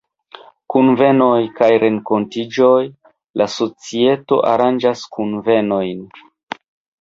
Kunvenoj kaj renkontiĝoj: La societo aranĝas kunvenojn.